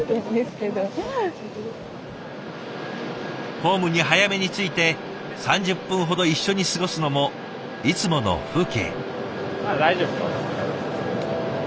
ホームに早めに着いて３０分ほど一緒に過ごすのもいつもの風景。